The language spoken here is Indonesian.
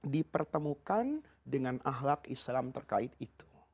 di pertemukan dengan ahlak islam terkait itu